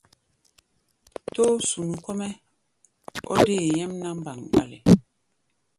Tóó-sunu kɔ́-mɛ́ ɔ́ dée nyɛ́mná mgbaŋɓale.